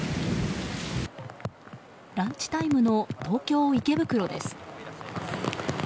ランチタイムの東京・池袋です。